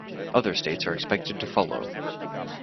Other states are expected to follow.